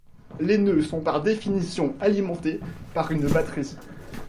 Les nœuds sont par définition alimentés par une batterie.